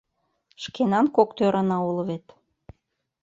Шкенан кок тӧрана уло вет...